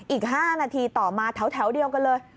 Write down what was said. อีก๕นาทีต่อมาแถวเดียวกันเลย